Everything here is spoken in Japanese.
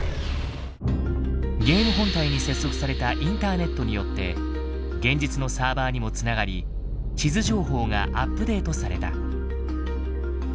ゲーム本体に接続されたインターネットによって現実のサーバーにも繋がり地図情報がアップデートされた。